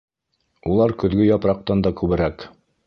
Улар көҙгө япраҡтан да күберәк.